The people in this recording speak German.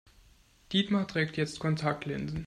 Dietmar trägt jetzt Kontaktlinsen.